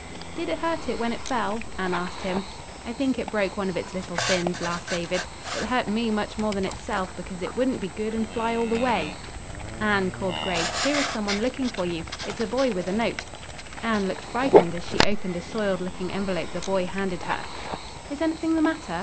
"Did it hurt it when it fell?" Anne asked him. "I think it broke one of its little fins," laughed David. "It hurt me much more than itself, because it wouldn't be good and fly all the way." "Anne," called Grace, "here is some one looking for you. It's a boy with a note." Anne looked frightened as she opened a soiled looking envelope the boy handed her. "Is anything the matter?"